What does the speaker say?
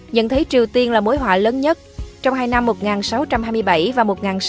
nhận thấy triều tiên là mối họa lớn nhất trong hai năm một nghìn sáu trăm hai mươi bảy và một nghìn sáu trăm sáu mươi